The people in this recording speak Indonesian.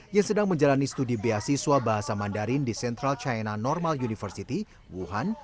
yang sedang menjalani studi beasiswa bahasa mandarin di central china normal university wuhan